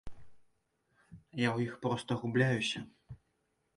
Я ў іх проста губляюся.